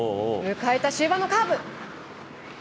迎えた終盤のカーブ。